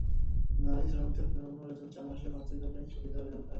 নারী শ্রমিকদের পূর্ণ বেতনে চার মাসের মাতৃত্বকালীন ছুটি দেওয়ার বিধান রাখা হয়েছে।